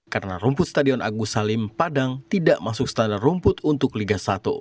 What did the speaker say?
karena rumput stadion agus salim padang tidak masuk standar rumput untuk liga satu